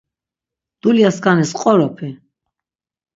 Dulyaskanis qoropi?